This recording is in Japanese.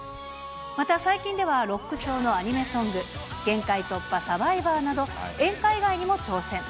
また最近では、ロック調のアニメソング、限界突破×サバイバーなど、演歌以外にも挑戦。